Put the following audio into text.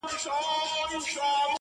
زه خو یارانو نامعلوم آدرس ته ودرېدم ـ